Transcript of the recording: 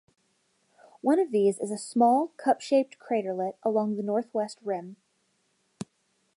One of these is a small, cup-shaped craterlet along the northwest rim.